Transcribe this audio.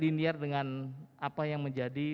linear dengan apa yang menjadi